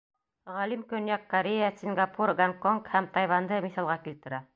Ғалим Көньяҡ Корея, Сингапур, Гонконг һәм Тайванде миҫалға килтерә.